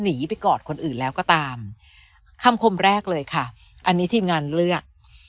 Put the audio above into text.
หนีไปกอดคนอื่นแล้วก็ตามคำคมแรกเลยค่ะอันนี้ทีมงานเลือก